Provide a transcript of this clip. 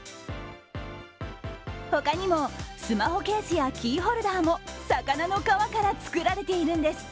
ほかにも、スマホケースやキーホルダーも魚の皮から作られているんです。